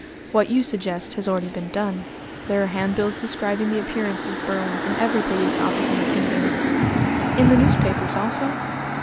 "What you suggest has already been done. There are handbills describing the appearance of Berwin in every police office in the kingdom." "In the newspapers, also?"